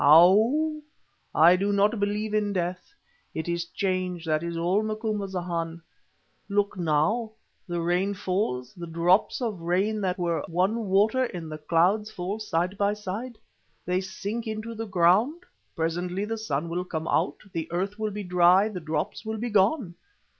Ou! I do not believe in death; it is change, that is all, Macumazahn. Look now, the rain falls, the drops of rain that were one water in the clouds fall side by side. They sink into the ground; presently the sun will come out, the earth will be dry, the drops will be gone.